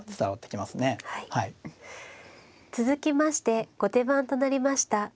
続きまして後手番となりました